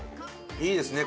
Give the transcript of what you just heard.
いいですね